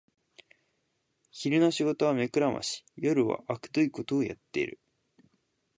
昼の仕事は目くらまし、夜はあくどいことをやってる